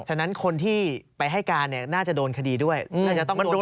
ฉะนั้นคนที่ไปให้การน่าจะโดนคดีด้วยน่าจะต้องโดนขอสิทธิ์